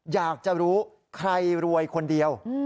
อยากจะรู้ใครรวยคนเดียว